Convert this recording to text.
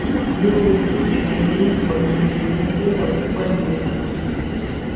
Nyi uli thethekeli wa milimo, inatela kupwa nyi umwene mwene.